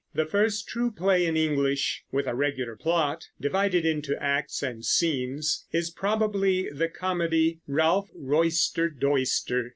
The first true play in English, with a regular plot, divided into acts and scenes, is probably the comedy, "Ralph Royster Doyster."